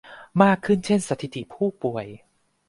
มากขึ้นเช่นสถิติผู้ป่วย